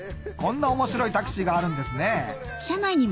こんな面白いタクシーがあるんですね